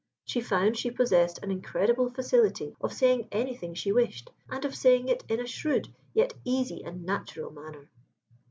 She found she possessed an incredible facility of saying anything she wished, and of saying it in a shrewd, yet easy and natural manner.